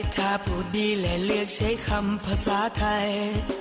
ถ้าพูดดีและเลือกใช้คำภาษาไทย